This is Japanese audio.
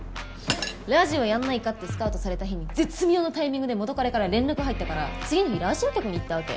ラジオやんないかってスカウトされた日に絶妙のタイミングで元カレから連絡入ったから次の日ラジオ局に行ったわけ。